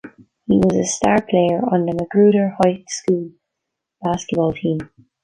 He was a star player on the Magruder High School basketball team.